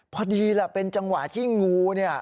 พอดีเป็นจังหวะที่งู